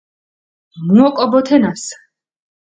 მუ ოკო ბო თენას